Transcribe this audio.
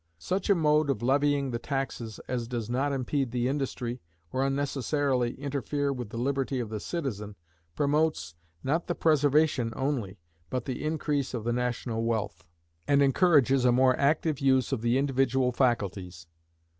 Such a mode of levying the taxes as does not impede the industry, or unnecessarily interfere with the liberty of the citizen, promotes, not the preservation only, but the increase of the national wealth, and encourages a more active use of the individual faculties.